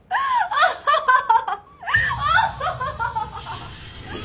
アッハハハ！